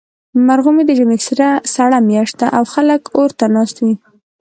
مرغومی د ژمي سړه میاشت ده، او خلک اور ته ناست وي.